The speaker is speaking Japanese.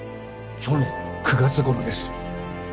去年の９月頃です！